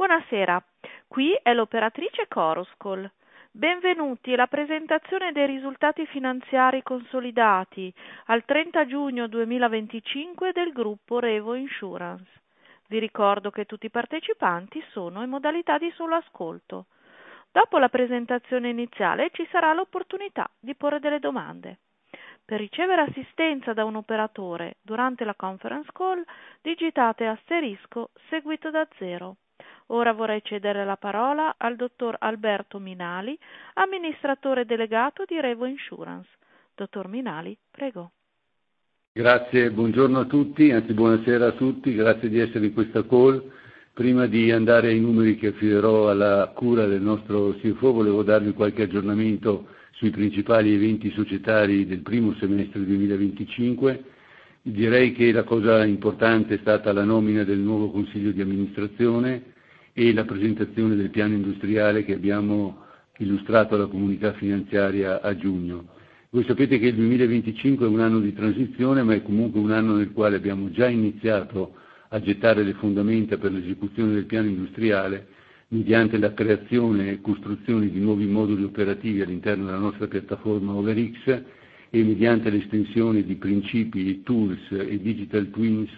Buonasera, qui è l'operatrice ChorusCall. Benvenuti alla presentazione dei risultati finanziari consolidati al 30 giugno 2025 del Gruppo REVO Insurance. Vi ricordo che tutti i partecipanti sono in modalità di solo ascolto. Dopo la presentazione iniziale ci sarà l'opportunità di porre delle domande. Per ricevere assistenza da un operatore durante la conference call, digitate * seguito da 0. Ora vorrei cedere la parola al Dottor Alberto Minali, Amministratore Delegato di REVO Insurance. Dottor Minali, prego. Grazie, buongiorno a tutti, anzi buonasera a tutti, grazie di essere in questa call. Prima di andare ai numeri che affiderò alla cura del nostro CFO, volevo darvi qualche aggiornamento sui principali eventi societari del primo semestre 2025. Direi che la cosa importante è stata la nomina del nuovo consiglio di amministrazione e la presentazione del piano industriale che abbiamo illustrato alla comunità finanziaria a giugno. Voi sapete che il 2025 è un anno di transizione, ma è comunque un anno nel quale abbiamo già iniziato a gettare le fondamenta per l'esecuzione del piano industriale mediante la creazione e costruzione di nuovi moduli operativi all'interno della nostra piattaforma OVERX e mediante l'estensione di principi, tools e digital twins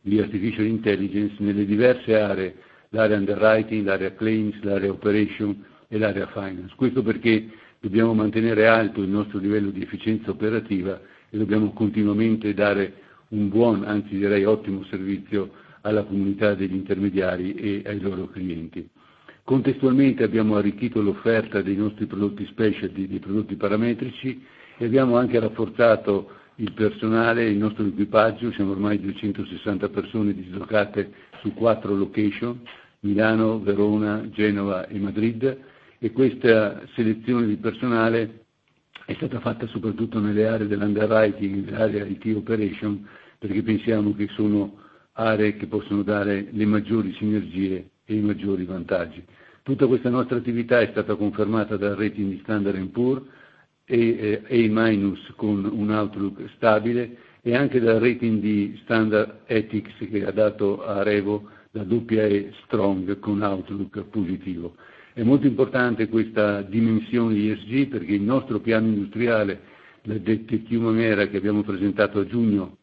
di artificial intelligence nelle diverse aree: l'area underwriting, l'area claims, l'area operation e l'area finance. Questo perché dobbiamo mantenere alto il nostro livello di efficienza operativa e dobbiamo continuamente dare un buon, anzi direi ottimo servizio alla comunità degli intermediari e ai loro clienti. Contestualmente abbiamo arricchito l'offerta dei nostri prodotti specialty, dei prodotti parametrici, e abbiamo anche rafforzato il personale, il nostro equipaggio. Siamo ormai 260 persone dislocate su quattro location: Milano, Verona, Genova e Madrid, e questa selezione di personale è stata fatta soprattutto nelle aree dell'underwriting e dell'area IT operation, perché pensiamo che sono aree che possono dare le maggiori sinergie e i maggiori vantaggi. Tutta questa nostra attività è stata confermata dal rating di Standard & Poor's e A- con un outlook stabile, e anche dal rating di Standard Ethics che ha dato a REVO la doppia E strong con outlook positivo. È molto importante questa dimensione ESG, perché il nostro piano industriale, la strategia maniera che abbiamo presentato a giugno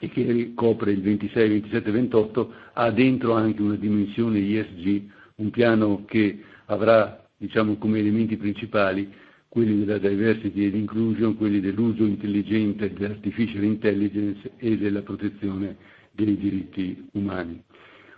e che ricopre il 26, 27 e 28, ha dentro anche una dimensione ESG, un piano che avrà, diciamo, come elementi principali quelli della diversity e inclusion, quelli dell'uso intelligente dell'artificial intelligence e della protezione dei diritti umani.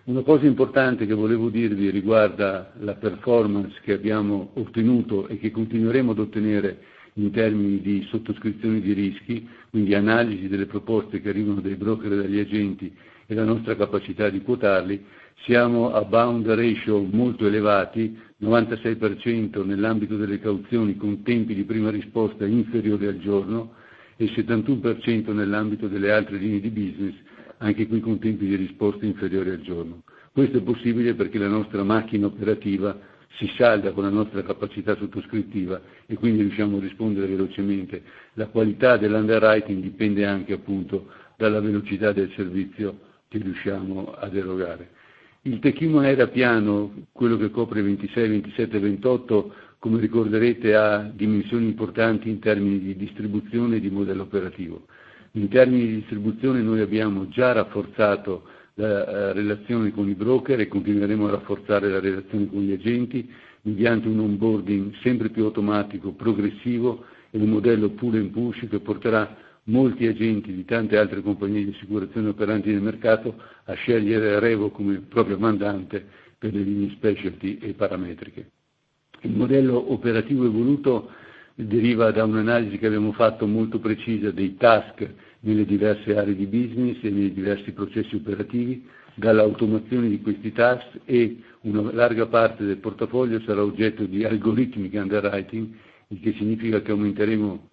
Una cosa importante che volevo dirvi riguarda la performance che abbiamo ottenuto e che continueremo ad ottenere in termini di sottoscrizione di rischi, quindi analisi delle proposte che arrivano dai broker e dagli agenti e la nostra capacità di quotarli. Siamo a boundary ratio molto elevati: 96% nell'ambito delle cauzioni con tempi di prima risposta inferiori al giorno e 71% nell'ambito delle altre linee di business, anche qui con tempi di risposta inferiori al giorno. Questo è possibile perché la nostra macchina operativa si salda con la nostra capacità sottoscrittiva e quindi riusciamo a rispondere velocemente. La qualità dell'underwriting dipende anche, appunto, dalla velocità del servizio che riusciamo ad erogare. Il piano triennale, quello che copre il 2026, 2027 e 2028, come ricorderete, ha dimensioni importanti in termini di distribuzione e di modello operativo. In termini di distribuzione noi abbiamo già rafforzato la relazione con i broker e continueremo a rafforzare la relazione con gli agenti mediante un onboarding sempre più automatico, progressivo e un modello pull and push che porterà molti agenti di tante altre compagnie di assicurazione operanti nel mercato a scegliere REVO come proprio mandante per le linee specialty e parametriche. Il modello operativo evoluto deriva da un'analisi che abbiamo fatto molto precisa dei task nelle diverse aree di business e nei diversi processi operativi, dall'automazione di questi task e una larga parte del portafoglio sarà oggetto di algoritmi di underwriting, il che significa che aumenteremo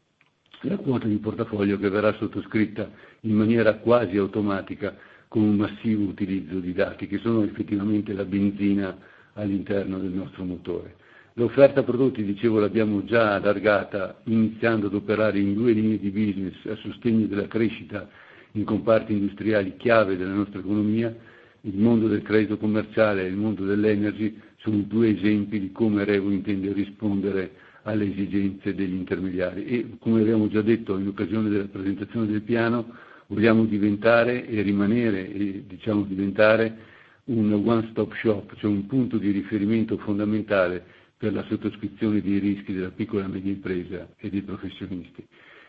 la quota di portafoglio che verrà sottoscritta in maniera quasi automatica con un massivo utilizzo di dati che sono effettivamente la benzina all'interno del nostro motore. L'offerta prodotti, dicevo, l'abbiamo già allargata iniziando ad operare in due linee di business a sostegno della crescita in comparti industriali chiave della nostra economia: il mondo del credito commerciale e il mondo dell'energy sono due esempi di come REVO intende rispondere alle esigenze degli intermediari. E come abbiamo già detto in occasione della presentazione del piano, vogliamo diventare e rimanere, e diciamo diventare, un one stop shop, cioè un punto di riferimento fondamentale per la sottoscrizione dei rischi della piccola e media impresa e dei professionisti.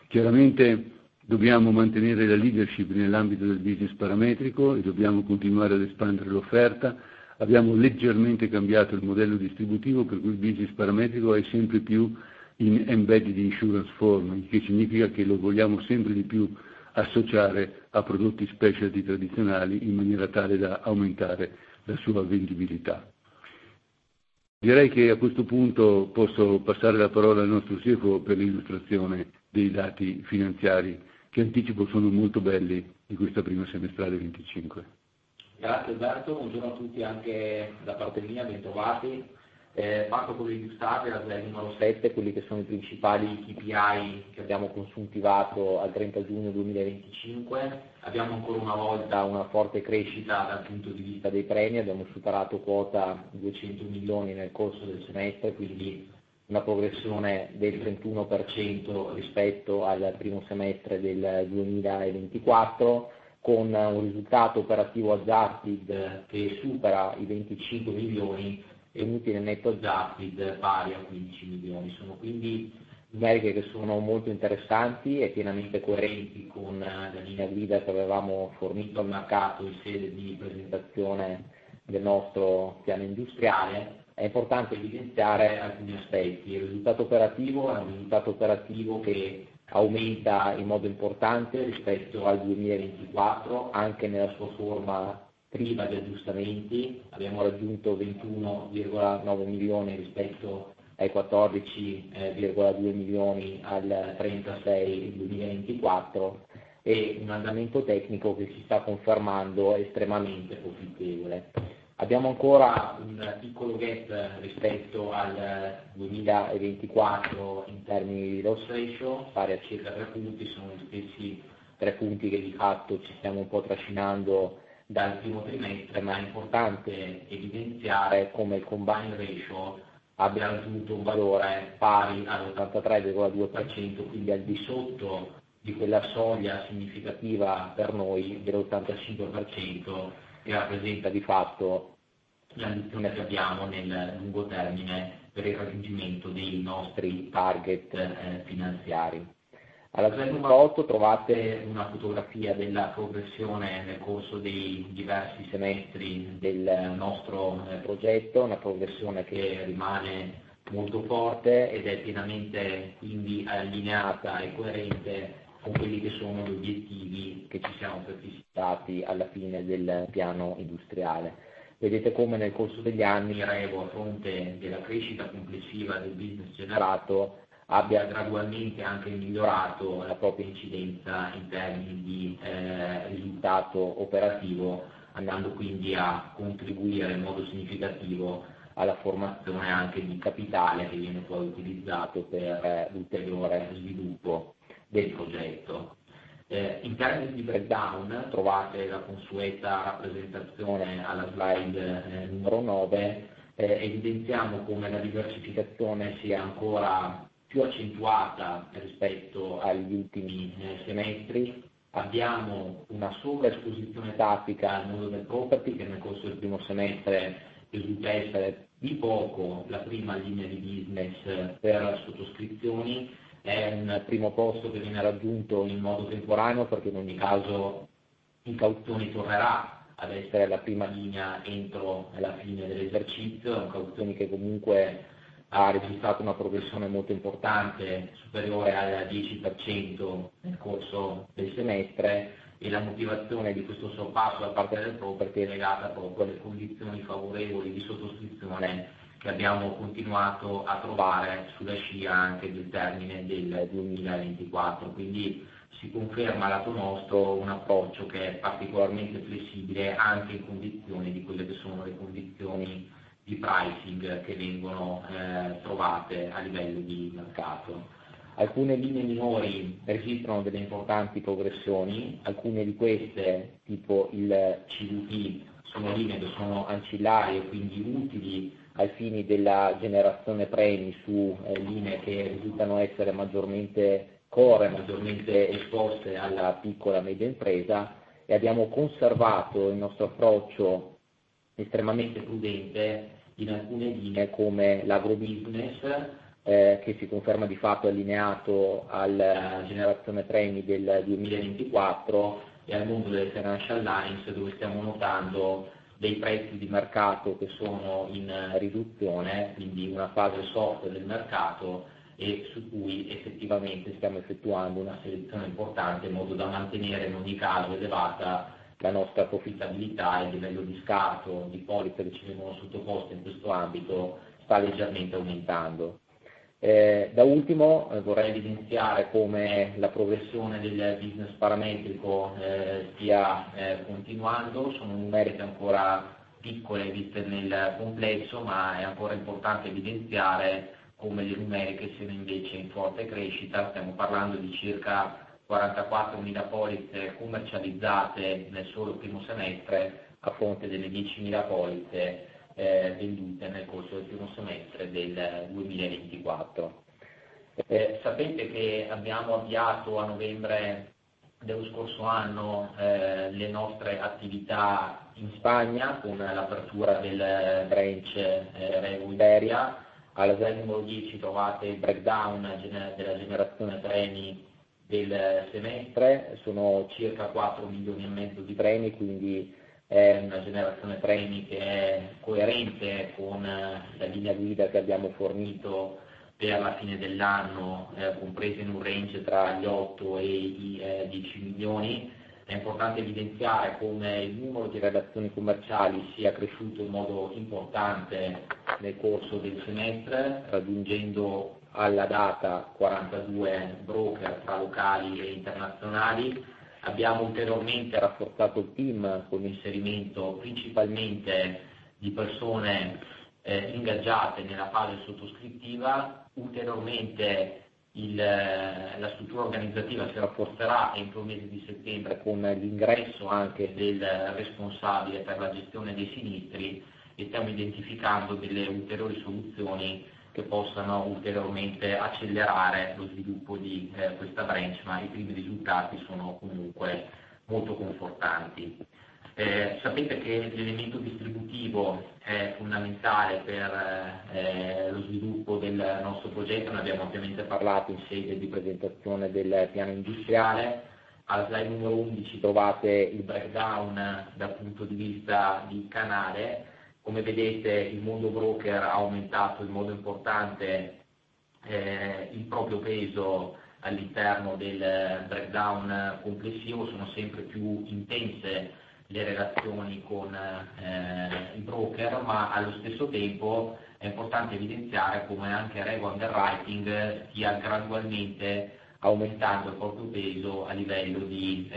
Chiaramente dobbiamo mantenere la leadership nell'ambito del business parametrico e dobbiamo continuare ad espandere l'offerta. Abbiamo leggermente cambiato il modello distributivo, per cui il business parametrico è sempre più in embedded insurance form, il che significa che lo vogliamo sempre di più associare a prodotti specialty tradizionali in maniera tale da aumentare la sua vendibilità. Direi che a questo punto posso passare la parola al nostro CFO per l'illustrazione dei dati finanziari che anticipo sono molto belli di questa prima semestrale 2025. Grazie, Alberto, buongiorno a tutti anche da parte mia, ben trovati. Parto con le news target numero 7, quelli che sono i principali KPI che abbiamo consuntivato al 30 giugno 2025. Abbiamo ancora una volta una forte crescita dal punto di vista dei premi, abbiamo superato quota €200 milioni nel corso del semestre, quindi una progressione del 31% rispetto al primo semestre del 2024, con un risultato operativo adjusted che supera i €25 milioni e un utile netto adjusted pari a €15 milioni. Sono quindi metriche che sono molto interessanti e pienamente coerenti con la linea guida che avevamo fornito al mercato in sede di presentazione del nostro piano industriale. È importante evidenziare alcuni aspetti: il risultato operativo è un risultato operativo che aumenta in modo importante rispetto al 2024, anche nella sua forma priva di aggiustamenti. Abbiamo raggiunto 21,9 milioni rispetto ai 14,2 milioni al 30/06/2024 e un andamento tecnico che si sta confermando estremamente profittevole. Abbiamo ancora un piccolo gap rispetto al 2024 in termini di loss ratio, pari a circa 3 punti. Sono gli stessi 3 punti che di fatto ci stiamo un po' trascinando dal primo trimestre, ma è importante evidenziare come il combine ratio abbia raggiunto un valore pari all'83,2%, quindi al di sotto di quella soglia significativa per noi dell'85% che rappresenta di fatto la visione che abbiamo nel lungo termine per il raggiungimento dei nostri target finanziari. Alla slide numero 8 trovate una fotografia della progressione nel corso dei diversi semestri del nostro progetto, una progressione che rimane molto forte ed è pienamente quindi allineata e coerente con quelli che sono gli obiettivi che ci siamo prefissati alla fine del piano industriale. Vedete come nel corso degli anni REVO, a fronte della crescita complessiva del business generato, abbia gradualmente anche migliorato la propria incidenza in termini di risultato operativo, andando quindi a contribuire in modo significativo alla formazione anche di capitale che viene poi utilizzato per l'ulteriore sviluppo del progetto. In termini di breakdown trovate la consueta rappresentazione alla slide numero 9. Evidenziamo come la diversificazione sia ancora più accentuata rispetto agli ultimi semestri. Abbiamo una sovraesposizione tattica nel mondo del property che nel corso del primo semestre risulta essere di poco la prima linea di business per sottoscrizioni. È un primo posto che viene raggiunto in modo temporaneo perché in ogni caso il cauzioni tornerà ad essere la prima linea entro la fine dell'esercizio. È una cauzione che comunque ha registrato una progressione molto importante, superiore al 10% nel corso del semestre, e la motivazione di questo sorpasso da parte del property è legata proprio alle condizioni favorevoli di sottoscrizione che abbiamo continuato a trovare sulla scia anche del termine del 2024. Quindi si conferma da parte nostra un approccio che è particolarmente flessibile anche in considerazione di quelle che sono le condizioni di pricing che vengono trovate a livello di mercato. Alcune linee minori registrano delle importanti progressioni. Alcune di queste, tipo il CVP, sono linee che sono ancillari e quindi utili ai fini della generazione premi su linee che risultano essere maggiormente core, maggiormente esposte alla piccola e media impresa. Abbiamo conservato il nostro approccio estremamente prudente in alcune linee come l'agrobusiness che si conferma di fatto allineato alla generazione premi del 2024 e al mondo delle financial lines dove stiamo notando dei prezzi di mercato che sono in riduzione, quindi una fase soft del mercato e su cui effettivamente stiamo effettuando una selezione importante in modo da mantenere in ogni caso elevata la nostra profittabilità. Il livello di scarto di policy che ci vengono sottoposte in questo ambito sta leggermente aumentando. Da ultimo vorrei evidenziare come la progressione del business parametrico stia continuando. Sono numeriche ancora piccole viste nel complesso, ma è ancora importante evidenziare come le numeriche siano invece in forte crescita. Stiamo parlando di circa 44.000 policy commercializzate nel solo primo semestre a fronte delle 10.000 policy vendute nel corso del primo semestre del 2023. Sapete che abbiamo avviato a novembre dello scorso anno le nostre attività in Spagna con l'apertura del branch REVO Iberia. Alla slide numero 10 trovate il breakdown della generazione premi del semestre. Sono circa €4,5 milioni di premi, quindi è una generazione premi che è coerente con la linea guida che abbiamo fornito per la fine dell'anno, compresa in un range tra gli €8 e i €10 milioni. È importante evidenziare come il numero di relazioni commerciali sia cresciuto in modo importante nel corso del semestre, raggiungendo alla data 42 broker tra locali e internazionali. Abbiamo ulteriormente rafforzato il team con l'inserimento principalmente di persone ingaggiate nella fase sottoscrittiva. Ulteriormente la struttura organizzativa si rafforzerà entro il mese di settembre con l'ingresso anche del responsabile per la gestione dei sinistri e stiamo identificando delle ulteriori soluzioni che possano ulteriormente accelerare lo sviluppo di questa branch, ma i primi risultati sono comunque molto confortanti. Sapete che l'elemento distributivo è fondamentale per lo sviluppo del nostro progetto. Ne abbiamo ovviamente parlato in sede di presentazione del piano industriale. Alla slide numero 11 trovate il breakdown dal punto di vista di canale. Come vedete, il mondo broker ha aumentato in modo importante il proprio peso all'interno del breakdown complessivo. Sono sempre più intense le relazioni con i broker, ma allo stesso tempo è importante evidenziare come anche REVO Underwriting stia gradualmente aumentando il proprio peso a livello di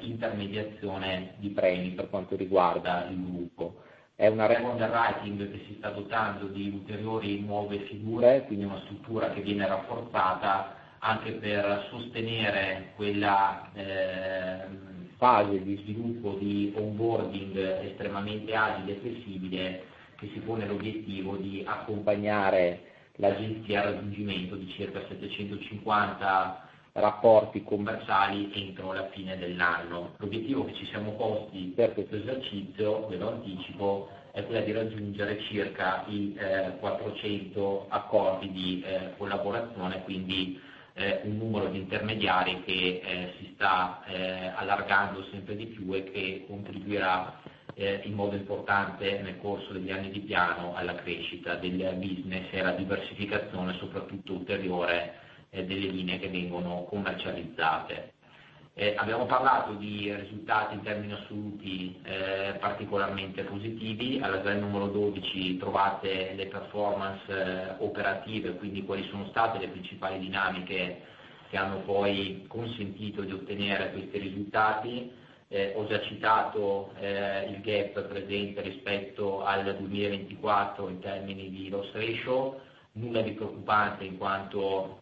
intermediazione di premi per quanto riguarda il gruppo. È una REVO Underwriting che si sta dotando di ulteriori nuove figure, quindi una struttura che viene rafforzata anche per sostenere quella fase di sviluppo di onboarding estremamente agile e flessibile che si pone l'obiettivo di accompagnare l'agenzia al raggiungimento di circa 750 rapporti commerciali entro la fine dell'anno. L'obiettivo che ci siamo posti per questo esercizio, ve lo anticipo, è quello di raggiungere circa i 400 accordi di collaborazione, quindi un numero di intermediari che si sta allargando sempre di più e che contribuirà in modo importante nel corso degli anni di piano alla crescita del business e alla diversificazione soprattutto ulteriore delle linee che vengono commercializzate. Abbiamo parlato di risultati in termini assoluti particolarmente positivi. Alla slide numero 12 trovate le performance operative, quindi quali sono state le principali dinamiche che hanno poi consentito di ottenere questi risultati. Ho già citato il gap presente rispetto al 2024 in termini di loss ratio. Nulla di preoccupante in quanto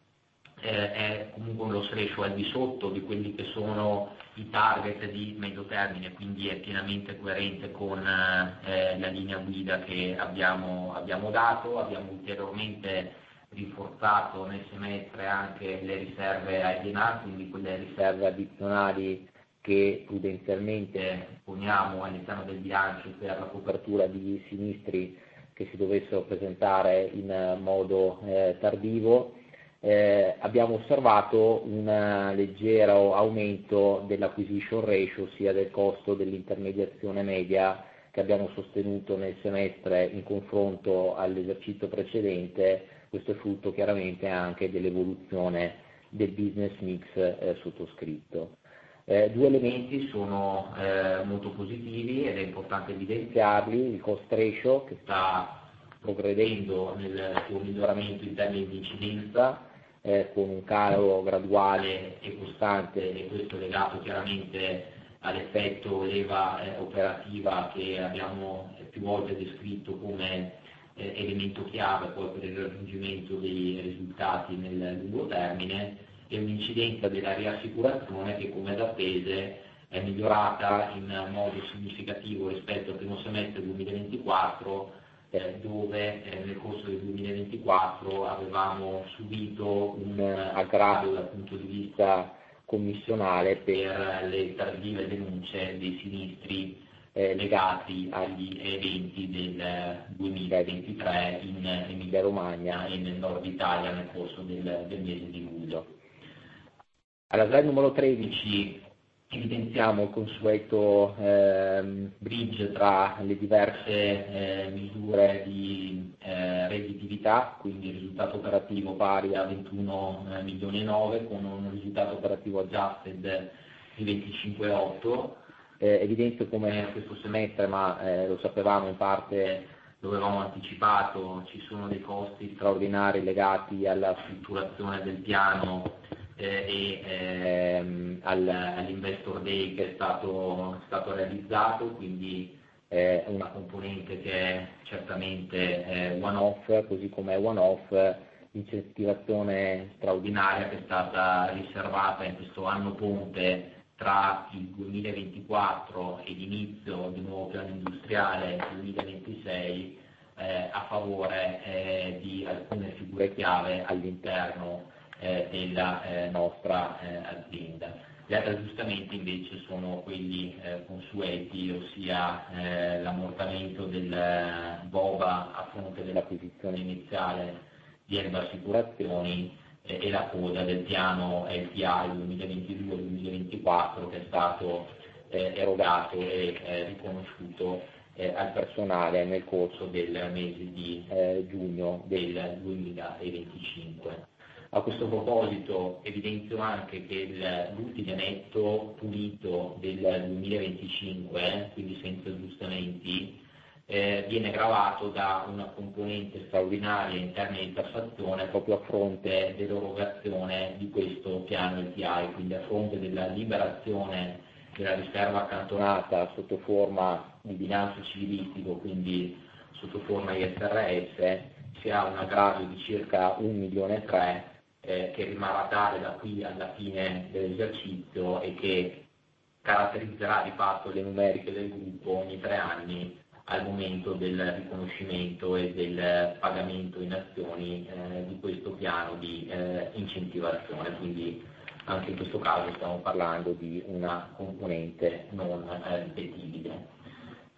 è comunque un loss ratio al di sotto di quelli che sono i target di medio termine, quindi è pienamente coerente con la linea guida che abbiamo dato. Abbiamo ulteriormente rinforzato nel semestre anche le riserve alienate, quindi quelle riserve addizionali che prudenzialmente poniamo all'interno del bilancio per la copertura di sinistri che si dovessero presentare in modo tardivo. Abbiamo osservato un leggero aumento dell'acquisition ratio, ossia del costo dell'intermediazione media che abbiamo sostenuto nel semestre in confronto all'esercizio precedente. Questo è frutto chiaramente anche dell'evoluzione del business mix sottoscritto. Due elementi sono molto positivi ed è importante evidenziarli: il cost ratio che sta progredendo nel suo miglioramento in termini di incidenza, con un calo graduale e costante, e questo è legato chiaramente all'effetto leva operativa che abbiamo più volte descritto come elemento chiave per il raggiungimento dei risultati nel lungo termine, e un'incidenza della riassicurazione che, come da aspese, è migliorata in modo significativo rispetto al primo semestre 2024, dove nel corso del 2024 avevamo subito un aggravio dal punto di vista commissionale per le tardive denunce dei sinistri legati agli eventi del 2023 in Emilia-Romagna e nel nord Italia nel corso del mese di luglio. Alla slide numero 13 evidenziamo il consueto bridge tra le diverse misure di redditività, quindi il risultato operativo pari a €21,9 milioni con un risultato operativo adjusted di €25,8. Evidenzio come questo semestre, ma lo sapevamo in parte, lo avevamo anticipato, ci sono dei costi straordinari legati alla strutturazione del piano e all'investor day che è stato realizzato, quindi è una componente che è certamente one-off, così come è one-off l'incentivazione straordinaria che è stata riservata in questo anno ponte tra il 2024 e l'inizio del nuovo piano industriale 2026 a favore di alcune figure chiave all'interno della nostra azienda. Gli altri aggiustamenti invece sono quelli consueti, ossia l'ammortamento del BOBA a fronte dell'acquisizione iniziale di Erba Assicurazioni e la quota del piano LTI 2022-2024 che è stato erogato e riconosciuto al personale nel corso del mese di giugno del 2025. A questo proposito evidenzio anche che l'utile netto pulito del 2025, quindi senza aggiustamenti, viene gravato da una componente straordinaria in termini di tassazione proprio a fronte dell'erogazione di questo piano LTI, quindi a fronte della liberazione della riserva accantonata sotto forma di bilancio civilistico, quindi sotto forma di SRS, si ha un aggravio di circa €1,3 milioni che rimarrà tale da qui alla fine dell'esercizio e che caratterizzerà di fatto le numeriche del gruppo ogni tre anni al momento del riconoscimento e del pagamento in azioni di questo piano di incentivazione. Quindi anche in questo caso stiamo parlando di una componente non ripetibile.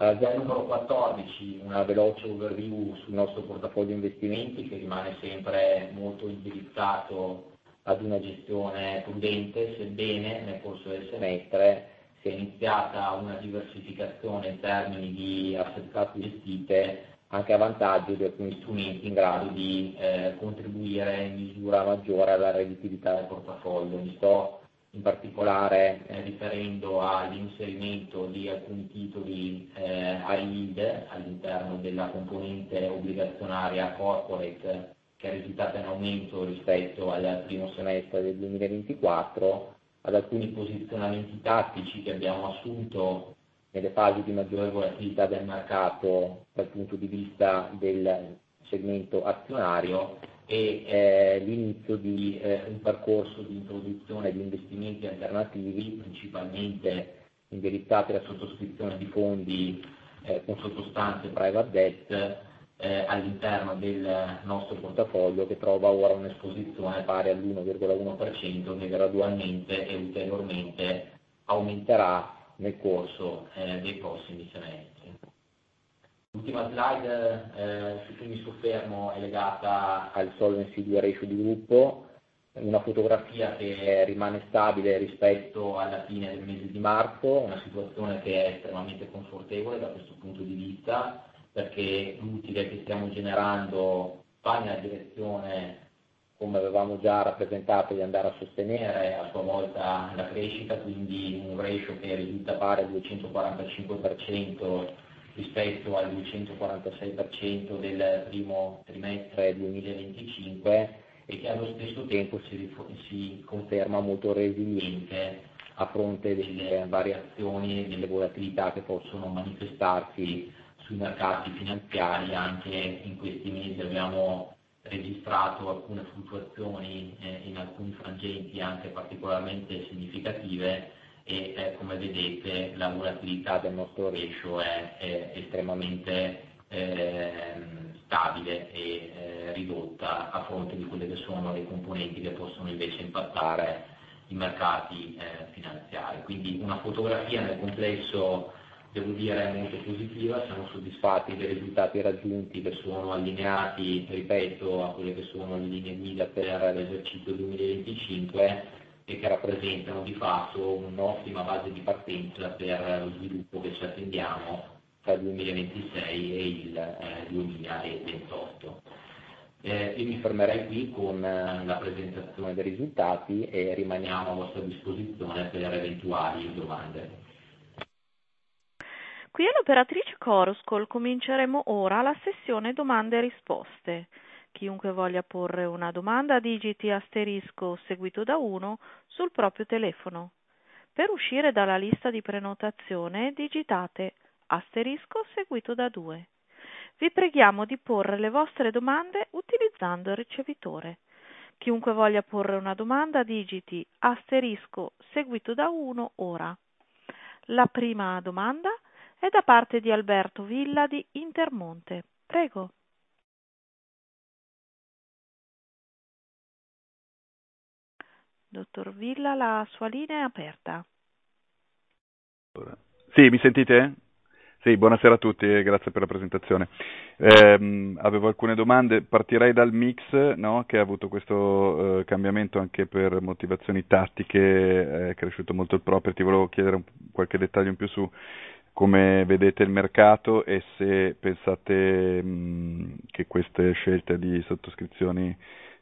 Alla slide numero 14 una veloce overview sul nostro portafoglio investimenti che rimane sempre molto indirizzato ad una gestione prudente, sebbene nel corso del semestre sia iniziata una diversificazione in termini di asset class gestite anche a vantaggio di alcuni strumenti in grado di contribuire in misura maggiore alla redditività del portafoglio. Mi sto in particolare riferendo all'inserimento di alcuni titoli high yield all'interno della componente obbligazionaria corporate che è risultata in aumento rispetto al primo semestre del 2024, ad alcuni posizionamenti tattici che abbiamo assunto nelle fasi di maggiore volatilità del mercato dal punto di vista del segmento azionario e l'inizio di un percorso di introduzione di investimenti alternativi principalmente indirizzati alla sottoscrizione di fondi con sottostante private debt all'interno del nostro portafoglio che trova ora un'esposizione pari all'1,1% che gradualmente e ulteriormente aumenterà nel corso dei prossimi semestri. L'ultima slide su cui mi soffermo è legata al solvency ratio di gruppo, una fotografia che rimane stabile rispetto alla fine del mese di marzo, una situazione che è estremamente confortevole da questo punto di vista perché l'utile che stiamo generando va nella direzione, come avevamo già rappresentato, di andare a sostenere a sua volta la crescita, quindi un ratio che risulta pari al 245% rispetto al 246% del primo trimestre 2025 e che allo stesso tempo si conferma molto resiliente a fronte delle variazioni e delle volatilità che possono manifestarsi sui mercati finanziari. Anche in questi mesi abbiamo registrato alcune fluttuazioni in alcuni frangenti anche particolarmente significative e, come vedete, la volatilità del nostro ratio è estremamente stabile e ridotta a fronte di quelle che sono le componenti che possono invece impattare i mercati finanziari. Quindi una fotografia nel complesso devo dire molto positiva. Siamo soddisfatti dei risultati raggiunti che sono allineati, ripeto, a quelle che sono le linee guida per l'esercizio 2025 e che rappresentano di fatto un'ottima base di partenza per lo sviluppo che ci attendiamo tra il 2026 e il 2028. Io mi fermerei qui con la presentazione dei risultati e rimaniamo a vostra disposizione per eventuali domande. Qui all'Operatrice Coroscol cominceremo ora la sessione domande e risposte. Chiunque voglia porre una domanda digiti asterisco seguito da 1 sul proprio telefono. Per uscire dalla lista di prenotazione digitate asterisco seguito da 2. Vi preghiamo di porre le vostre domande utilizzando il ricevitore. Chiunque voglia porre una domanda digiti asterisco seguito da 1 ora. La prima domanda è da parte di Alberto Villa di Intermonte. Prego. Dottor Villa, la sua linea è aperta. Sì, mi sentite? Sì, buonasera a tutti e grazie per la presentazione. Avevo alcune domande. Partirei dal mix che ha avuto questo cambiamento anche per motivazioni tattiche, è cresciuto molto il property. Volevo chiedere qualche dettaglio in più su come vedete il mercato e se pensate che queste scelte di sottoscrizioni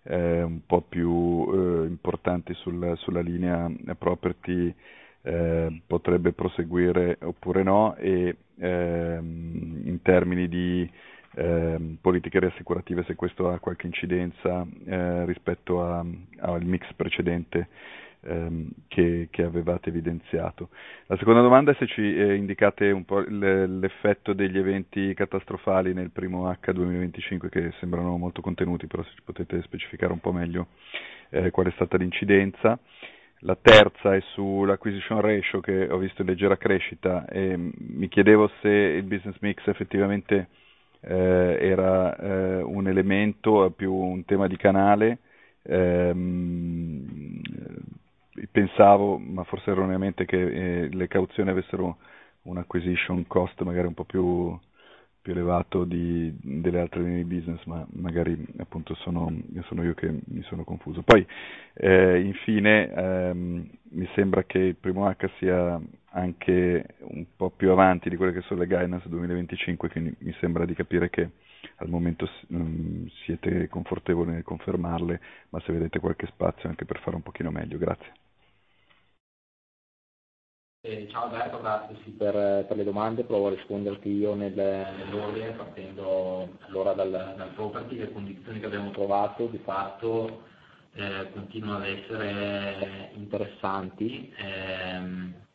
un po' più importanti sulla linea property potrebbero proseguire oppure no e in termini di politiche riassicurative se questo ha qualche incidenza rispetto al mix precedente che avevate evidenziato. La seconda domanda è se ci indicate un po' l'effetto degli eventi catastrofali nel primo semestre 2025 che sembrano molto contenuti, però se ci potete specificare un po' meglio qual è stata l'incidenza. La terza è sull'acquisition ratio che ho visto in leggera crescita e mi chiedevo se il business mix effettivamente era un elemento o più un tema di canale. Pensavo, ma forse erroneamente, che le cauzioni avessero un acquisition cost magari un po' più elevato delle altre linee di business, ma magari appunto sono io che mi sono confuso. Poi infine mi sembra che il primo semestre sia anche un po' più avanti di quelle che sono le guidance 2025, quindi mi sembra di capire che al momento siete confortevoli nel confermarle, ma se vedete qualche spazio anche per fare un pochino meglio. Grazie. Ciao Alberto, grazie per le domande. Provo a risponderti io nell'ordine, partendo allora dal property. Le condizioni che abbiamo trovato di fatto continuano ad essere interessanti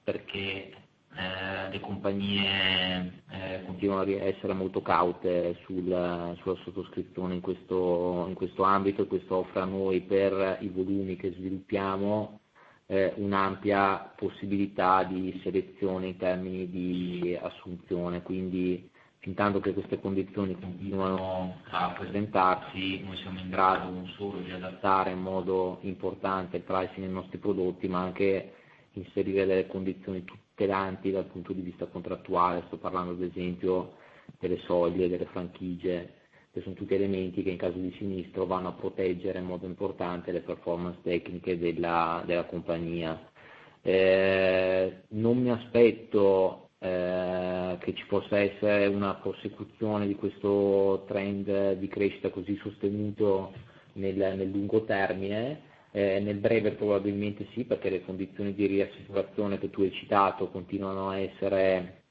perché le compagnie continuano ad essere molto caute sulla sottoscrizione in questo ambito e questo offre a noi, per i volumi che sviluppiamo, un'ampia possibilità di selezione in termini di assunzione. Quindi, fintanto che queste condizioni continuano a presentarsi, noi siamo in grado non solo di adattare in modo importante il pricing dei nostri prodotti, ma anche inserire delle condizioni tutelanti dal punto di vista contrattuale. Sto parlando ad esempio delle soglie, delle franchigie, che sono tutti elementi che in caso di sinistro vanno a proteggere in modo importante le performance tecniche della compagnia. Non mi aspetto che ci possa essere una prosecuzione di questo trend di crescita così sostenuto nel lungo termine. Nel breve probabilmente sì, perché le condizioni di riassicurazione che tu hai citato continuano a essere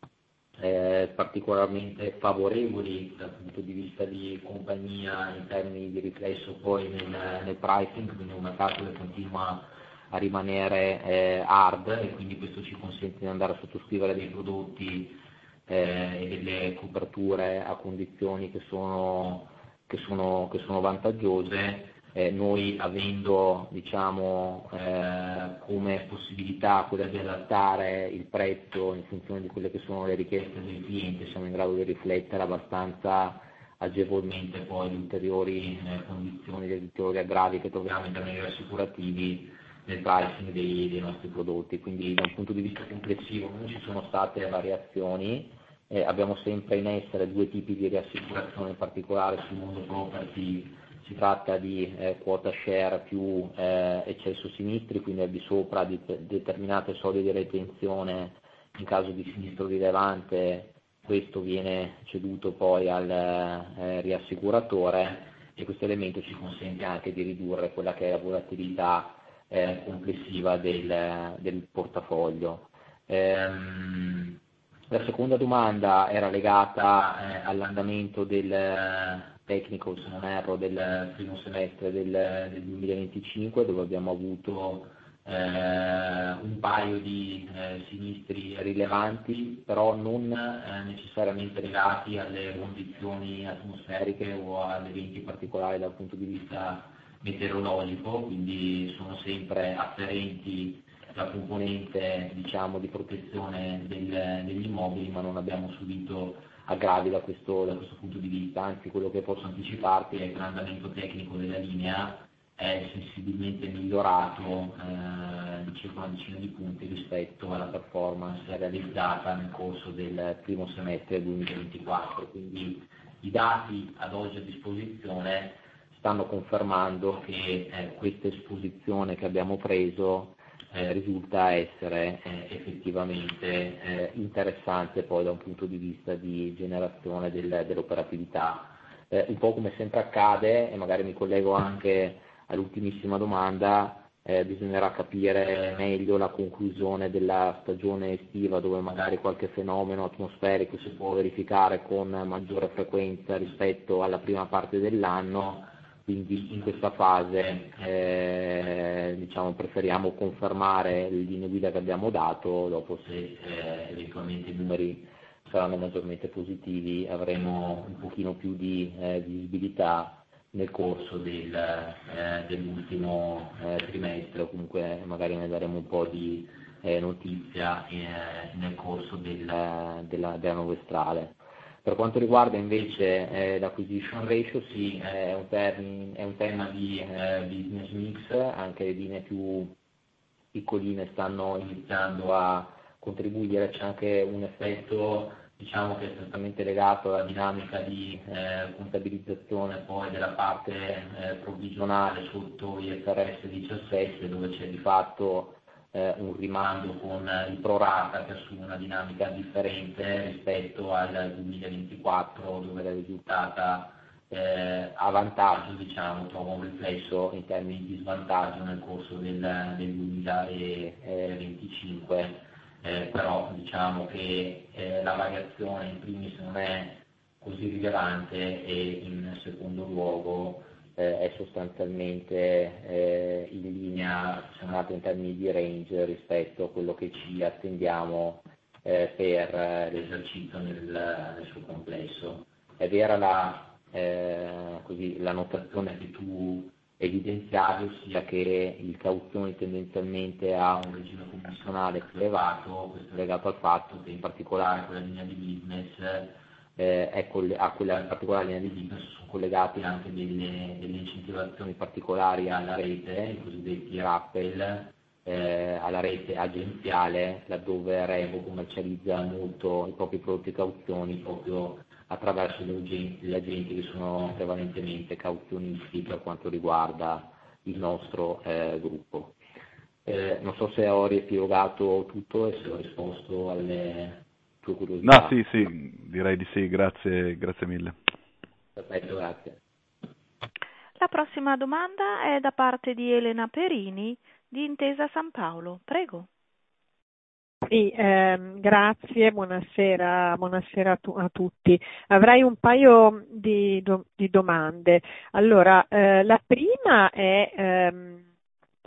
particolarmente favorevoli dal punto di vista di compagnia in termini di riflesso poi nel pricing, quindi una parte che continua a rimanere hard e quindi questo ci consente di andare a sottoscrivere dei prodotti e delle coperture a condizioni che sono vantaggiose. Noi, avendo come possibilità quella di adattare il prezzo in funzione di quelle che sono le richieste del cliente, siamo in grado di riflettere abbastanza agevolmente poi le ulteriori condizioni e gli ulteriori aggravi che troviamo in termini riassicurativi nel pricing dei nostri prodotti. Quindi, da un punto di vista complessivo, non ci sono state variazioni. Abbiamo sempre in essere due tipi di riassicurazione, in particolare sul mondo property. Si tratta di quota share più eccesso sinistri, quindi al di sopra di determinate soglie di retenzione in caso di sinistro rilevante. Questo viene ceduto poi al riassicuratore e questo elemento ci consente anche di ridurre quella che è la volatilità complessiva del portafoglio. La seconda domanda era legata all'andamento del technical, se non erro, del primo semestre del 2025, dove abbiamo avuto un paio di sinistri rilevanti, però non necessariamente legati alle condizioni atmosferiche o a eventi particolari dal punto di vista meteorologico. Quindi sono sempre afferenti la componente di protezione degli immobili, ma non abbiamo subito aggravi da questo punto di vista. Anzi, quello che posso anticiparti è che l'andamento tecnico della linea è sensibilmente migliorato di circa una decina di punti rispetto alla performance realizzata nel corso del primo semestre 2024. Quindi i dati ad oggi a disposizione stanno confermando che questa esposizione che abbiamo preso risulta essere effettivamente interessante poi da un punto di vista di generazione dell'operatività. Un po' come sempre accade, e magari mi collego anche all'ultimissima domanda, bisognerà capire meglio la conclusione della stagione estiva, dove magari qualche fenomeno atmosferico si può verificare con maggiore frequenza rispetto alla prima parte dell'anno. Quindi in questa fase preferiamo confermare le linee guida che abbiamo dato. Dopo, se eventualmente i numeri saranno maggiormente positivi, avremo un pochino più di visibilità nel corso dell'ultimo trimestre o comunque magari ne daremo un po' di notizia nel corso della trimestrale. Per quanto riguarda invece l'acquisition ratio, sì, è un tema di business mix. Anche le linee più piccoline stanno iniziando a contribuire. C'è anche un effetto che è strettamente legato alla dinamica di contabilizzazione della parte provvigionale sotto gli IFRS 17, dove c'è di fatto un rimando con il pro rata che assume una dinamica differente rispetto al 2024, dove l'effetto è risultato a vantaggio dopo un riflesso in termini di svantaggio nel corso del 2025. Però diciamo che la variazione in primis non è così rilevante e in secondo luogo è sostanzialmente in linea, diciamo anche in termini di range, rispetto a quello che ci attendiamo per l'esercizio nel suo complesso. È vera la notazione che tu evidenziavi, ossia che il cauzione tendenzialmente ha un regime commissionale più elevato. Questo è legato al fatto che in particolare quella linea di business, a quella particolare linea di business, sono collegati anche delle incentivazioni particolari alla rete, i cosiddetti rappel, alla rete agenziale, laddove Revo commercializza molto i propri prodotti e cauzioni proprio attraverso gli agenti che sono prevalentemente cauzionisti per quanto riguarda il nostro gruppo. Non so se ho riepilogato tutto e se ho risposto alle tue curiosità. No, sì, sì, direi di sì. Grazie mille. Perfetto, grazie. La prossima domanda è da parte di Elena Perini di Intesa Sanpaolo. Prego. Sì, grazie. Buonasera a tutti. Avrei un paio di domande. Allora, la prima è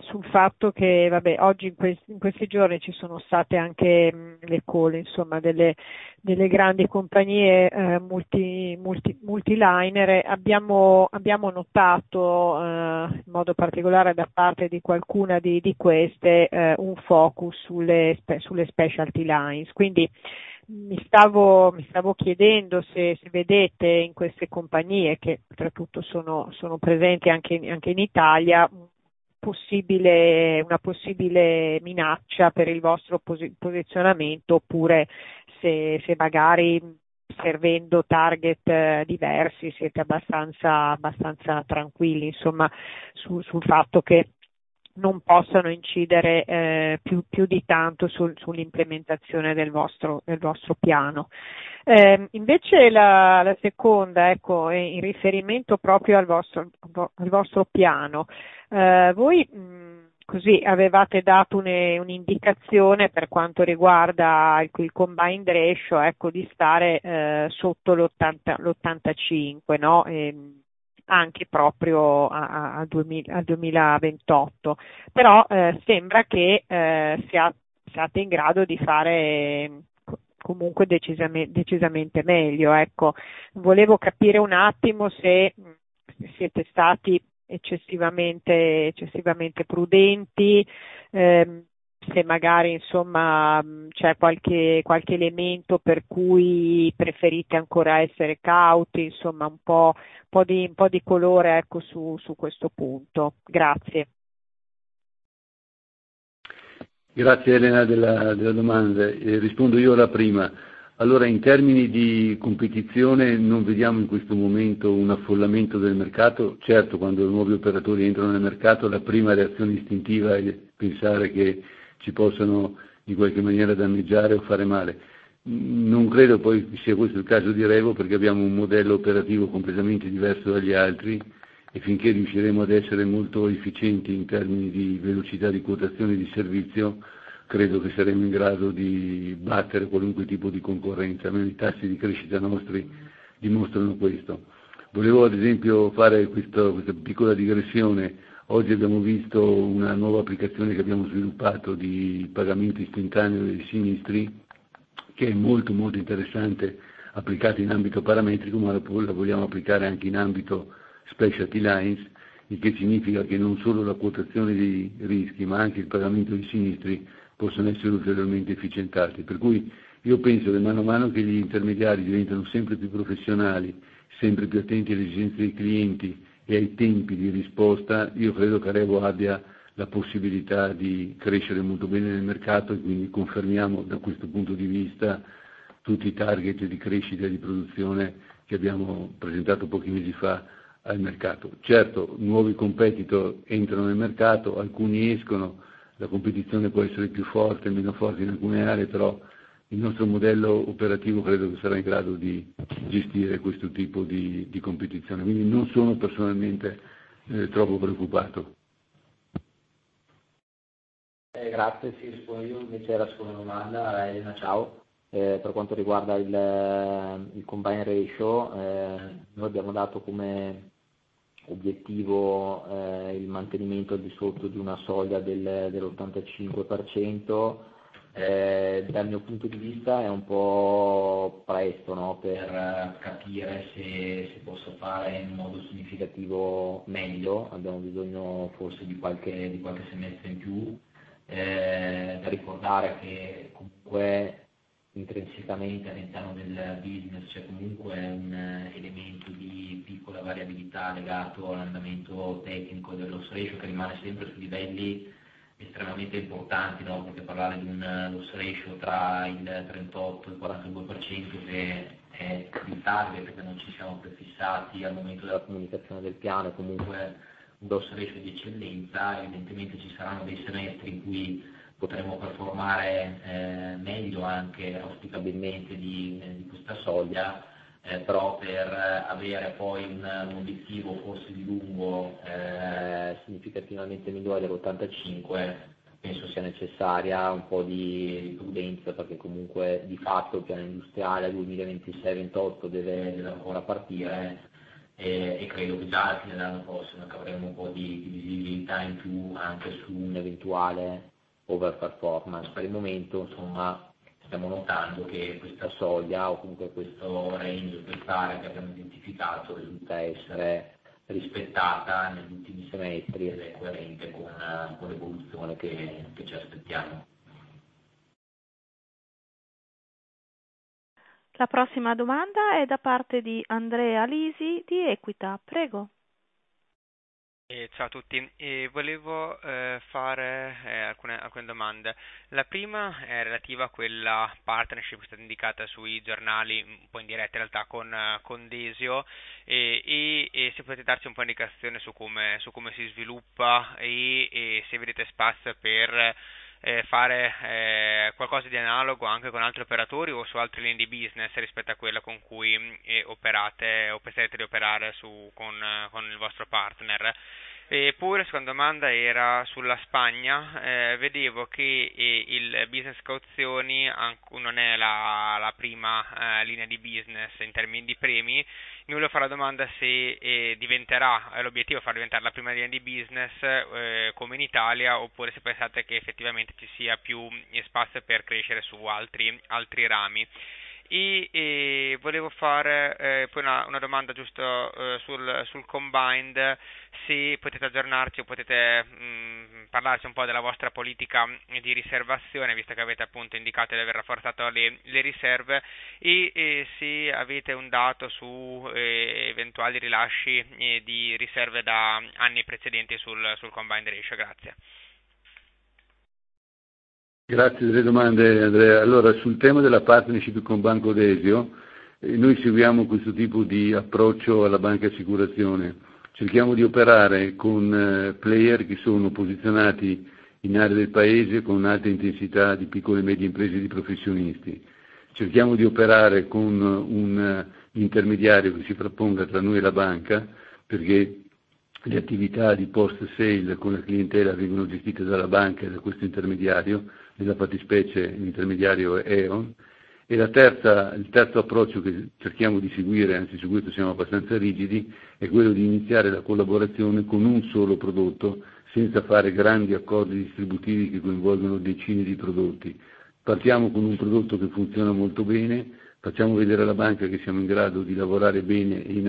sul fatto che oggi, in questi giorni, ci sono state anche le call delle grandi compagnie multilinee. Abbiamo notato, in modo particolare da parte di qualcuna di queste, un focus sulle specialty lines. Quindi mi stavo chiedendo se vedete in queste compagnie, che oltretutto sono presenti anche in Italia, una possibile minaccia per il vostro posizionamento, oppure se magari, servendo target diversi, siete abbastanza tranquilli sul fatto che non possano incidere più di tanto sull'implementazione del vostro piano. Invece, la seconda, in riferimento proprio al vostro piano, voi avevate dato un'indicazione per quanto riguarda il combine ratio di stare sotto l'85%, anche proprio al 2028. Però sembra che siate in grado di fare comunque decisamente meglio. Volevo capire se siete stati eccessivamente prudenti, se magari c'è qualche elemento per cui preferite ancora essere cauti, un po' di colore su questo punto. Grazie. Grazie, Elena, della domanda. Rispondo io alla prima. Allora, in termini di competizione non vediamo in questo momento un affollamento del mercato. Certo, quando nuovi operatori entrano nel mercato, la prima reazione istintiva è pensare che ci possano in qualche maniera danneggiare o fare male. Non credo poi sia questo il caso di Revo, perché abbiamo un modello operativo completamente diverso dagli altri e finché riusciremo ad essere molto efficienti in termini di velocità di quotazione di servizio, credo che saremo in grado di battere qualunque tipo di concorrenza. I nostri tassi di crescita dimostrano questo. Volevo ad esempio fare questa piccola digressione. Oggi abbiamo visto una nuova applicazione che abbiamo sviluppato di pagamento istantaneo dei sinistri, che è molto interessante applicata in ambito parametrico, ma la vogliamo applicare anche in ambito specialty lines, il che significa che non solo la quotazione dei rischi, ma anche il pagamento dei sinistri possono essere ulteriormente efficientati. Per cui io penso che mano a mano che gli intermediari diventano sempre più professionali, sempre più attenti alle esigenze dei clienti e ai tempi di risposta, io credo che Revo abbia la possibilità di crescere molto bene nel mercato e quindi confermiamo da questo punto di vista tutti i target di crescita e di produzione che abbiamo presentato pochi mesi fa al mercato. Certo, nuovi competitor entrano nel mercato, alcuni escono, la competizione può essere più forte e meno forte in alcune aree, però il nostro modello operativo credo che sarà in grado di gestire questo tipo di competizione. Quindi non sono personalmente troppo preoccupato. Grazie, sì, rispondo io. Invece la seconda domanda, Elena, ciao. Per quanto riguarda il combine ratio, noi abbiamo dato come obiettivo il mantenimento al di sotto di una soglia dell'85%. Dal mio punto di vista è un po' presto per capire se posso fare in modo significativo meglio. Abbiamo bisogno forse di qualche semestre in più. Da ricordare che comunque intrinsecamente all'interno del business c'è comunque un elemento di piccola variabilità legato all'andamento tecnico del loss ratio, che rimane sempre su livelli estremamente importanti. Potrei parlare di un loss ratio tra il 38% e il 42%, che è il target che ci siamo prefissati al momento della comunicazione del piano. Comunque un loss ratio di eccellenza. Evidentemente ci saranno dei semestri in cui potremo performare meglio, anche auspicabilmente, di questa soglia. Però per avere poi un obiettivo forse di lungo termine, significativamente migliore dell'85%, penso sia necessaria un po' di prudenza, perché comunque di fatto il piano industriale 2026-2028 deve ancora partire e credo che già alla fine dell'anno prossimo avremo un po' di visibilità in più anche su un eventuale over performance. Per il momento stiamo notando che questa soglia, o comunque questo range triennale che abbiamo identificato, risulta essere rispettata negli ultimi semestri ed è coerente con l'evoluzione che ci aspettiamo. La prossima domanda è da parte di Andrea Lisi di Equita. Prego. Ciao a tutti. Volevo fare alcune domande. La prima è relativa a quella partnership che è stata indicata sui giornali, un po' in diretta in realtà, con Desio. E se potete darci un po' di indicazione su come si sviluppa e se vedete spazio per fare qualcosa di analogo anche con altri operatori o su altre linee di business rispetto a quella con cui operate o pensate di operare con il vostro partner. E poi la seconda domanda era sulla Spagna. Vedevo che il business cauzioni non è la prima linea di business in termini di premi. Nulla farà domanda se diventerà l'obiettivo far diventare la prima linea di business come in Italia, oppure se pensate che effettivamente ci sia più spazio per crescere su altri rami. E volevo fare poi una domanda giusto sul combined, se potete aggiornarci o potete parlarci un po' della vostra politica di riservazione, visto che avete appunto indicato di aver rafforzato le riserve, e se avete un dato su eventuali rilasci di riserve da anni precedenti sul combined ratio. Grazie. Grazie delle domande, Andrea. Allora, sul tema della partnership con Banco Desio, noi seguiamo questo tipo di approccio alla bancassicurazione. Cerchiamo di operare con player che sono posizionati in aree del paese con alta intensità di piccole e medie imprese e di professionisti. Cerchiamo di operare con un intermediario che si frapponga tra noi e la banca, perché le attività di post-vendita con la clientela vengono gestite dalla banca e da questo intermediario, nella fattispecie l'intermediario EON. Il terzo approccio che cerchiamo di seguire, anzi su questo siamo abbastanza rigidi, è quello di iniziare la collaborazione con un solo prodotto senza fare grandi accordi distributivi che coinvolgono decine di prodotti. Partiamo con un prodotto che funziona molto bene, facciamo vedere alla banca che siamo in grado di lavorare bene in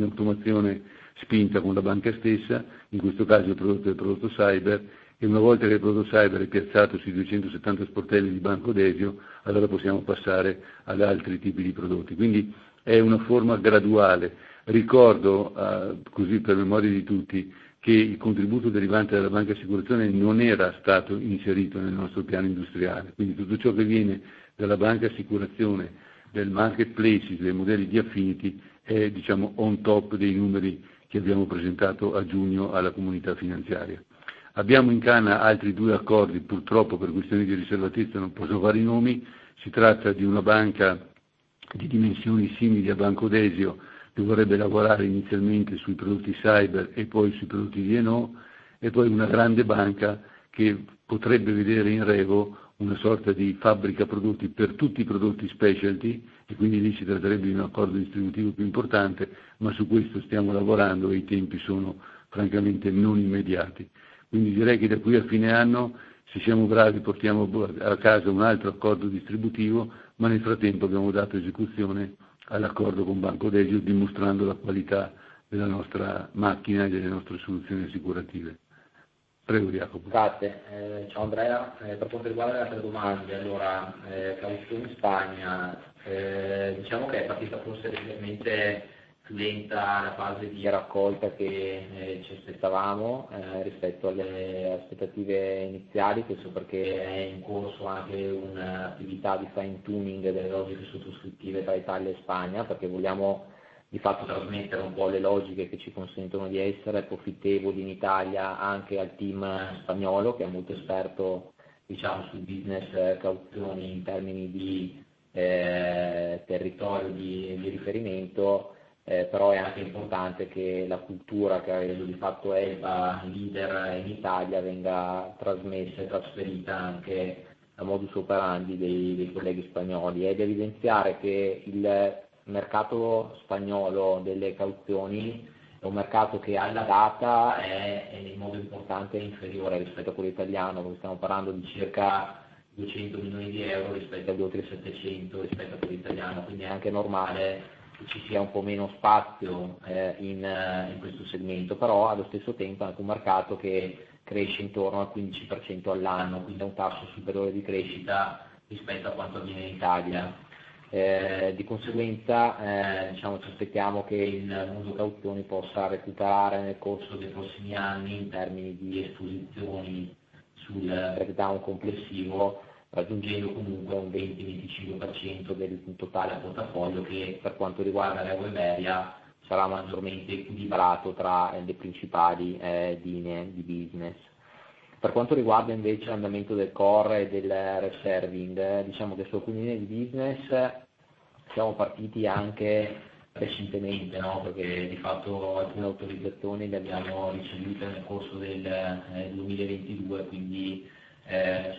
automazione spinta con la banca stessa. In questo caso il prodotto è il prodotto Cyber, e una volta che il prodotto Cyber è piazzato sui 270 sportelli di Banco Desio, allora possiamo passare ad altri tipi di prodotti. Quindi è una forma graduale. Ricordo, così per memoria di tutti, che il contributo derivante dalla bancassicurazione non era stato inserito nel nostro piano industriale. Quindi tutto ciò che viene dalla bancassicurazione, del marketplace e dei modelli di affinity, è on top dei numeri che abbiamo presentato a giugno alla comunità finanziaria. Abbiamo in canna altri due accordi, purtroppo per questioni di riservatezza non posso fare i nomi. Si tratta di una banca di dimensioni simili a Banco Desio, che vorrebbe lavorare inizialmente sui prodotti Cyber e poi sui prodotti di ENO, e poi una grande banca che potrebbe vedere in Revo una sorta di fabbrica prodotti per tutti i prodotti specialty, e quindi lì si tratterebbe di un accordo distributivo più importante, ma su questo stiamo lavorando e i tempi sono francamente non immediati. Quindi direi che da qui a fine anno, se siamo bravi, portiamo a casa un altro accordo distributivo, ma nel frattempo abbiamo dato esecuzione all'accordo con Banco Desio, dimostrando la qualità della nostra macchina e delle nostre soluzioni assicurative. Prego, Jacopo. Grazie. Ciao Andrea. Per quanto riguarda le altre domande, allora, cauzione Spagna, diciamo che è partita forse leggermente lenta la fase di raccolta che ci aspettavamo rispetto alle aspettative iniziali, questo perché è in corso anche un'attività di fine tuning delle logiche sottoscrittive tra Italia e Spagna, perché vogliamo di fatto trasmettere un po' le logiche che ci consentono di essere profittevoli in Italia anche al team spagnolo, che è molto esperto sul business cauzioni in termini di territorio di riferimento. Però è anche importante che la cultura che ha reso di fatto ELBA leader in Italia venga trasmessa e trasferita anche a modus operandi dei colleghi spagnoli. È da evidenziare che il mercato spagnolo delle cauzioni è un mercato che alla data è in modo importante inferiore rispetto a quello italiano, stiamo parlando di circa €200 milioni rispetto agli oltre €700 milioni rispetto a quello italiano. Quindi è anche normale che ci sia un po' meno spazio in questo segmento, però allo stesso tempo è anche un mercato che cresce intorno al 15% all'anno, quindi ha un tasso superiore di crescita rispetto a quanto avviene in Italia. Di conseguenza, ci aspettiamo che il mondo cauzioni possa recuperare nel corso dei prossimi anni in termini di esposizioni sul breakdown complessivo, raggiungendo comunque un 20-25% del totale portafoglio che, per quanto riguarda l'EUROEMERIA, sarà maggiormente equilibrato tra le principali linee di business. Per quanto riguarda invece l'andamento del core e del reserving, diciamo che su alcune linee di business siamo partiti anche recentemente, perché di fatto alcune autorizzazioni le abbiamo ricevute nel corso del 2022, quindi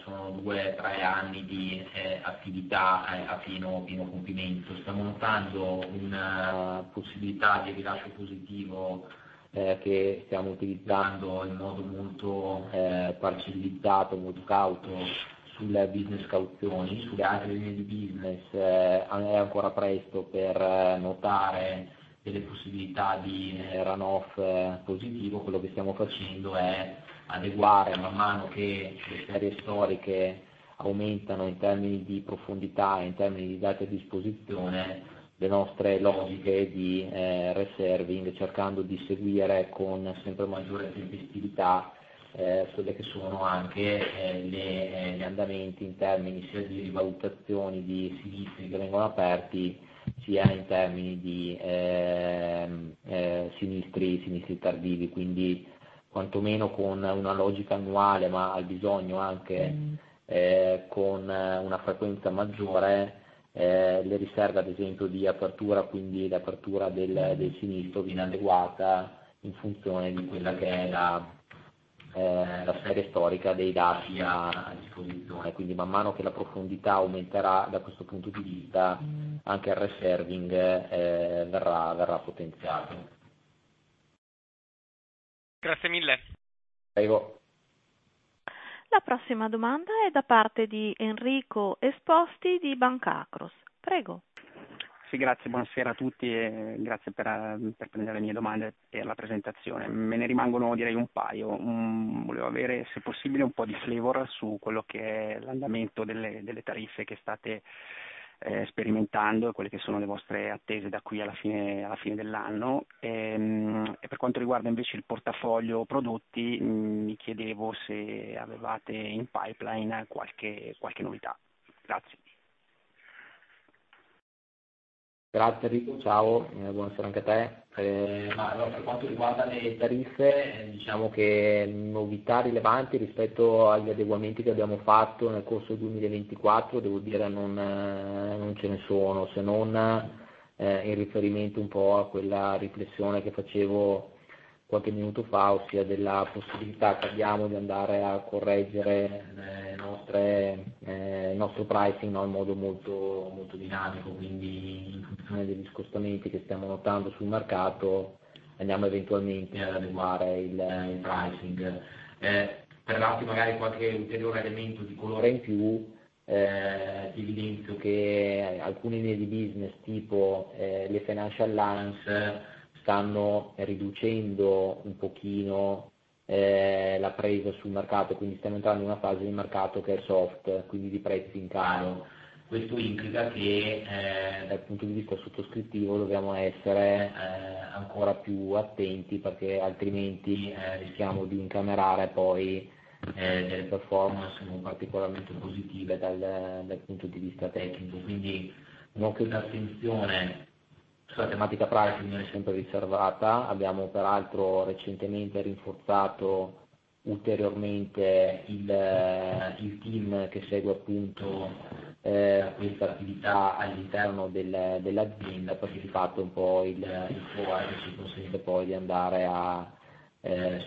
sono 2-3 anni di attività a pieno compimento. Stiamo notando una possibilità di rilascio positivo che stiamo utilizzando in modo molto parzializzato, molto cauto, sul business cauzioni. Sulle altre linee di business è ancora presto per notare delle possibilità di run-off positivo. Quello che stiamo facendo è adeguare man mano che le serie storiche aumentano in termini di profondità e in termini di dati a disposizione le nostre logiche di reserving, cercando di seguire con sempre maggiore tempestività quelle che sono anche gli andamenti in termini sia di rivalutazioni di sinistri che vengono aperti, sia in termini di sinistri tardivi. Quindi, quantomeno con una logica annuale, ma al bisogno anche con una frequenza maggiore, le riserve ad esempio di apertura, quindi l'apertura del sinistro, viene adeguata in funzione di quella che è la serie storica dei dati a disposizione. Quindi, man mano che la profondità aumenterà da questo punto di vista, anche il reserving verrà potenziato. Grazie mille. Prego. La prossima domanda è da parte di Enrico Esposti di Banca Acros. Prego. Sì, grazie, buonasera a tutti e grazie per prendere le mie domande per la presentazione. Me ne rimangono direi un paio. Volevo avere, se possibile, un po' di flavour su quello che è l'andamento delle tariffe che state sperimentando e quelle che sono le vostre attese da qui alla fine dell'anno. E per quanto riguarda invece il portafoglio prodotti, mi chiedevo se avevate in pipeline qualche novità. Grazie. Grazie Enrico, ciao, buonasera anche a te. Per quanto riguarda le tariffe, diciamo che novità rilevanti rispetto agli adeguamenti che abbiamo fatto nel corso del 2024, devo dire, non ce ne sono, se non in riferimento un po' a quella riflessione che facevo qualche minuto fa, ossia della possibilità che abbiamo di andare a correggere il nostro pricing in modo molto dinamico. Quindi, in funzione degli scostamenti che stiamo notando sul mercato, andiamo eventualmente ad adeguare il pricing. Per darti magari qualche ulteriore elemento di colore in più, ti evidenzio che alcune linee di business tipo le financial lines stanno riducendo un pochino la presa sul mercato, quindi stiamo entrando in una fase di mercato che è soft, quindi di prezzi in calo. Questo implica che, dal punto di vista sottoscrittivo, dobbiamo essere ancora più attenti, perché altrimenti rischiamo di incamerare poi delle performance non particolarmente positive dal punto di vista tecnico. Quindi, un occhio di attenzione sulla tematica pricing è sempre riservato. Abbiamo peraltro recentemente rinforzato ulteriormente il team che segue appunto questa attività all'interno dell'azienda, perché di fatto un po' il core ci consente poi di andare a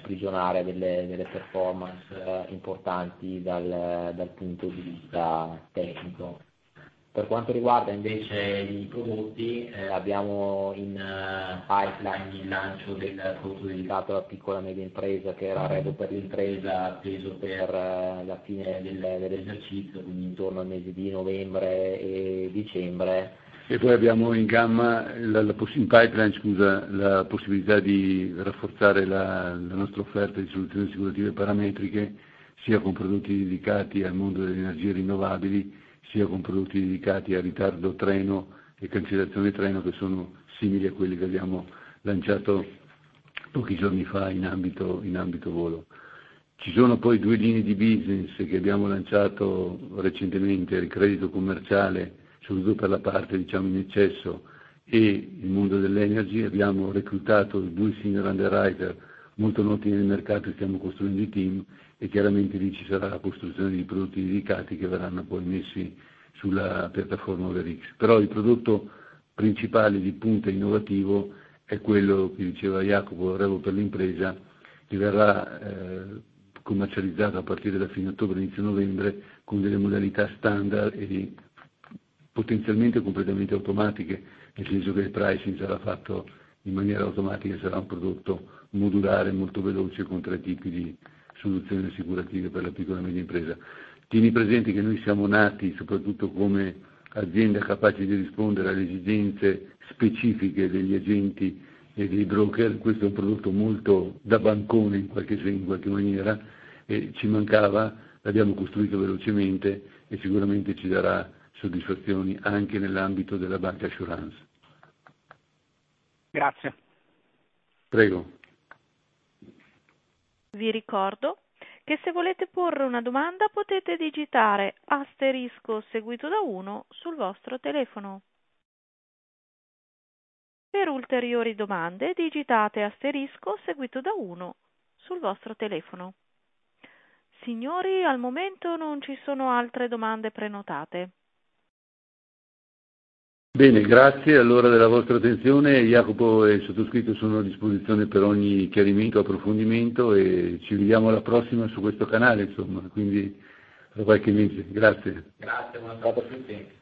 sprigionare delle performance importanti dal punto di vista tecnico. Per quanto riguarda invece i prodotti, abbiamo in pipeline il lancio del prodotto dedicato alla piccola e media impresa, che era Redo per l'impresa, atteso per la fine dell'esercizio, quindi intorno ai mesi di novembre e dicembre. E poi abbiamo in pipeline la possibilità di rafforzare la nostra offerta di soluzioni assicurative parametriche, sia con prodotti dedicati al mondo delle energie rinnovabili, sia con prodotti dedicati a ritardo treno e cancellazione treno, che sono simili a quelli che abbiamo lanciato pochi giorni fa in ambito volo. Ci sono poi due linee di business che abbiamo lanciato recentemente: il credito commerciale, soprattutto per la parte in eccesso, e il mondo dell'energy. Abbiamo reclutato due senior underwriter molto noti nel mercato, stiamo costruendo i team, e chiaramente lì ci sarà la costruzione di prodotti dedicati che verranno poi messi sulla piattaforma Overex. Però il prodotto principale di punta e innovativo è quello che diceva Jacopo, Redo per l'impresa, che verrà commercializzato a partire da fine ottobre e inizio novembre con delle modalità standard e potenzialmente completamente automatiche, nel senso che il pricing sarà fatto in maniera automatica e sarà un prodotto modulare molto veloce con tre tipi di soluzioni assicurative per la piccola e media impresa. Tieni presente che noi siamo nati soprattutto come azienda capace di rispondere alle esigenze specifiche degli agenti e dei broker. Questo è un prodotto molto da bancone, in qualche maniera, e ci mancava. L'abbiamo costruito velocemente e sicuramente ci darà soddisfazioni anche nell'ambito della banca assurance. Grazie. Prego. Vi ricordo che se volete porre una domanda potete digitare asterisco seguito da 1 sul vostro telefono. Per ulteriori domande digitate asterisco seguito da 1 sul vostro telefono. Signori, al momento non ci sono altre domande prenotate. Bene, grazie allora della vostra attenzione. Jacopo e il sottoscritto sono a disposizione per ogni chiarimento, approfondimento, e ci vediamo alla prossima su questo canale, insomma, quindi tra qualche mese. Grazie. Grazie, buona serata a tutti.